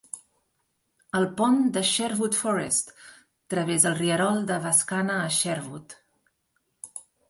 El pont de Sherwood Forest traves el rierol de Wascana a Sherwood.